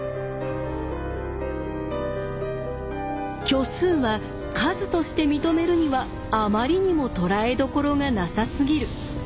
虚数は数として認めるにはあまりにもとらえどころがなさすぎる。